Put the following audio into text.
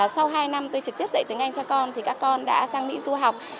sau hai năm tôi trực tiếp dạy tiếng anh cho con thì các con đã sang mỹ du học